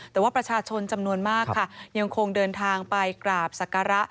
แต่ว่าประชาชนจำนวนมากค่ะยังคงเดินทางไปกราบศักระ